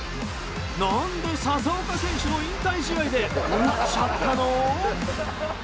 何で佐々岡選手の引退試合で打っちゃったの？